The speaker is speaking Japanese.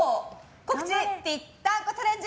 告知ぴったんこチャレンジ